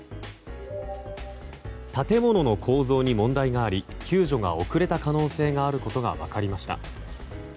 建物の構造に問題があり救助が遅れた可能性があることが分かりました。